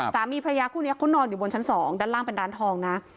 สามีพระยาคู่นี้เขานอนอยู่บนชั้น๒ด้านล่างเป็นร้านทองนะ